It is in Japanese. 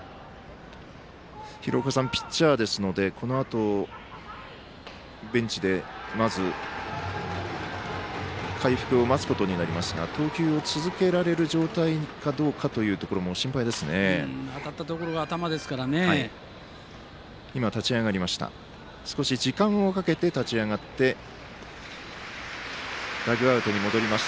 廣岡さん、ピッチャーですのでこのあと、ベンチでまず、回復を待つことになりますが投球を続けられる状態かどうかというところも当たったところが少し時間をかけて立ち上がってダグアウトに戻ります。